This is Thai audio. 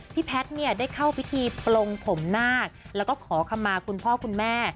แพทย์เนี่ยได้เข้าพิธีปลงผมนาคแล้วก็ขอคำมาคุณพ่อคุณแม่